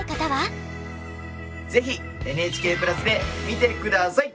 ぜひＮＨＫプラスで見て下さい！